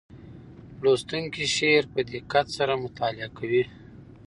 لوستونکی شعر په دقت سره مطالعه کوي.